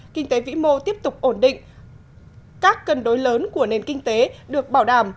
kinh tế vĩ mô tiếp tục ổn định các cân đối lớn của nền kinh tế được bảo đảm